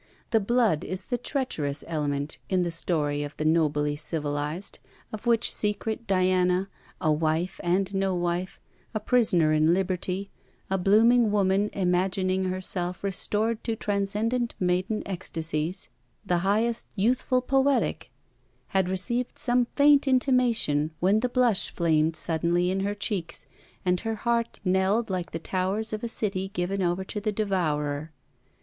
The blood is the treacherous element in the story of the nobly civilized, of which secret Diana, a wife and no wife, a prisoner in liberty, a blooming woman imagining herself restored to transcendent maiden ecstacies the highest youthful poetic had received some faint intimation when the blush flamed suddenly in her cheeks and her heart knelled like the towers of a city given over to the devourer.